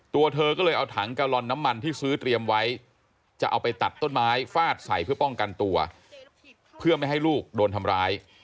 ตัวเธอก็เลยเอาถังกะลอนน้ำมันที่ซื้อเตรียมไว้จะเอาไปตัดต้นไม้ฟาดใส่เพื่อป้องกันตัวเพื่อไม่ให้ลูกโดนทำร้าย